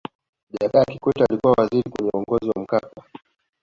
jakaya kikwete alikuwa waziri kwenye uongozi wa mkapa